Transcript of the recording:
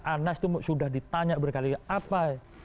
anas itu sudah ditanya berkali kali apa